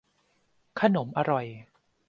ขนมอร่อย